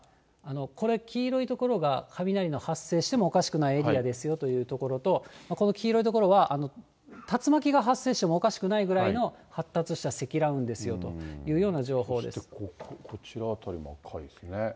これ、黄色い所が雷の発生してもおかしくないエリアですよということと、この黄色い所は、竜巻が発生してもおかしくないぐらいの発達した積乱雲ですよといこちら辺りも赤いですね。